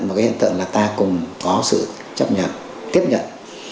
một cái hiện tượng là ta cùng có sự chấp nhận tiếp nhận